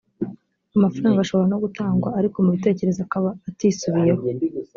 amafaranga ashobora no gutangwa ariko mu bitekerezo akaba atisubiyeho